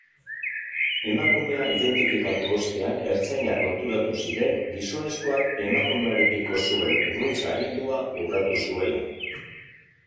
Emakumea identifikatu ostean ertzainak konturatu ziren gizonezkoak emakumearekiko zuen urruntze agindua urratu zuela.